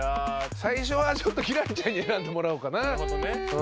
最初はちょっと輝星ちゃんに選んでもらおうかな。